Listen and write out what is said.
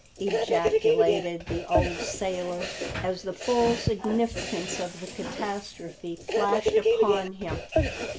ejaculated the old sailor, as the full significance of the catastrophe flashed upon him.